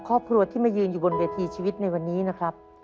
ครอบครัวที่มายืนอยู่บนเวทีชีวิตในวันนี้นะครับ